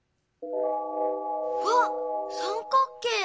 わっ三角形！